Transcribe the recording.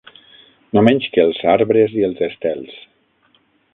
No menys que els arbres i els estels